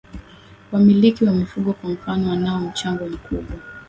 Wamiliki wa mifugo kwa mfano wanao mchango mkubwa